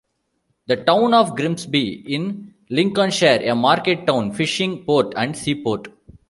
The town of Grimsby in Lincolnshire, a market town, fishing port and seaport.